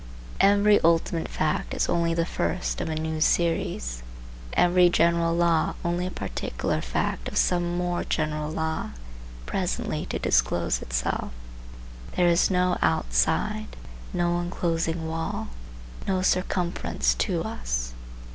Every ultimate fact is only the first of a new series. Every general law only a particular fact of some more general law presently to disclose itself. There is no outside, no inclosing wall, no circumference to us.